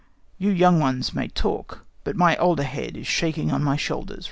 "You young ones may talk; but my older head is shaking on my shoulders," replied the General.